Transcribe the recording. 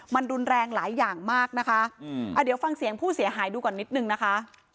มันรุนแรงหลายอย่างมากนะคะเดี๋ยวฟังเสียงผู้เสียหายดูก่อนนิดนึงนะคะ